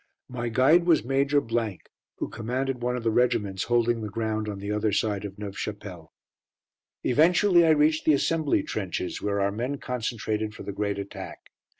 My guide was Major , who commanded one of the regiments holding the ground on the other side of Neuve Chapelle. Eventually I reached the assembly trenches, where our men concentrated for the great attack.